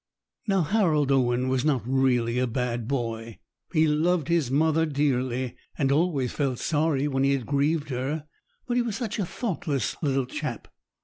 Now Harold Owen was not really a bad boy. He loved his mother dearly, and always felt sorry when he had grieved her; but he was such a thoughtless little chap.